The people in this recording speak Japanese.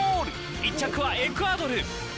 １着はエクアドル。